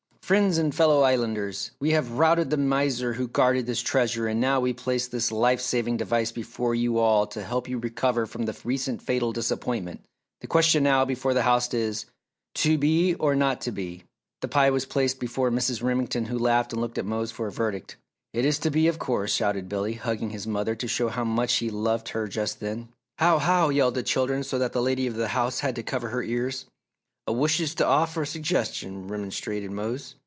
"Friends and fellow Islanders! We have routed the miser who guarded this treasure and now we place this life saving device before you all to help you recover from the recent fatal disappointment. The question now before the house is, 'To be or not to be!'" The pie was placed before Mrs. Remington who laughed and looked at Mose for a verdict. "It is to be, of course!" shouted Billy, hugging his mother to show how much he loved her just then. "How! How!" yelled the children so that the lady of the house had to cover her ears. "Ah wishes t' offer a sugges'ion!" remonstrated Mose.